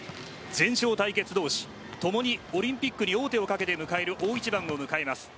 全勝対決同士ともにオリンピックに大きな王手をかけて迎える大一番を迎えます。